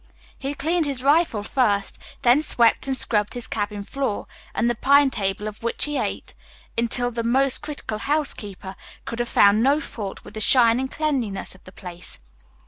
He had cleaned his rifle first, then swept and scrubbed his cabin floor, and the pine table off which he ate, until the most critical housekeeper could have found no fault with the shining cleanliness of the place.